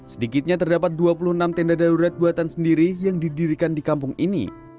sedikitnya terdapat dua puluh enam tenda darurat buatan sendiri yang didirikan di kampung ini